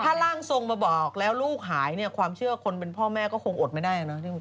ถ้าร่างทรงมาบอกแล้วลูกหายเนี่ยความเชื่อคนเป็นพ่อแม่ก็คงอดไม่ได้นะ